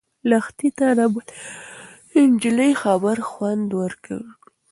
لښتې ته د بلې نجلۍ خبر خوند ورنه کړ.